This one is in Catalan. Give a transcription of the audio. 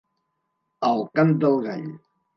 Al cant del gall.